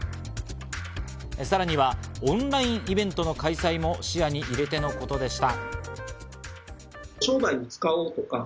さらにはオンラインイベントの開催も視野に入れてのことでした。